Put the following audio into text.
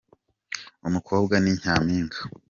Umukobwa ni nyampinga.